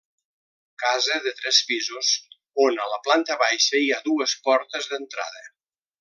Casa de tres pisos, on a la planta baixa hi ha dues portes d'entrada.